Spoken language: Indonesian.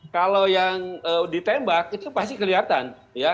kalau yang ditembak itu pasti kelihatan